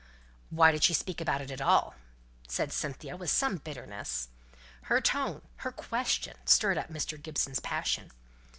"Why did she speak about it at all?" said Cynthia, with some bitterness. Her tone her question stirred up Mr. Gibson's passion.